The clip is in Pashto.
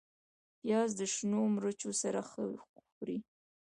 پیاز د شنو مرچو سره ښه خوري